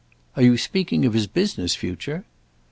"Are you speaking of his business future?"